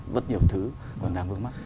rất nhiều thứ còn đang vướng mắt